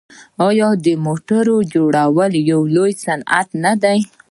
آیا د موټرو جوړول یو لوی صنعت نه دی؟